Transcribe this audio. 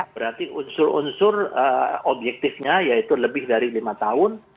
berarti unsur unsur objektifnya yaitu lebih dari lima tahun